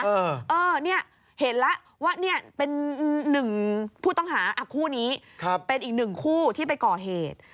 เออเนี่ยเห็นแล้วว่าเนี่ยเป็นหนึ่งผู้ต้องหาคู่นี้เป็นอีกหนึ่งคู่ที่ไปก่อเหตุ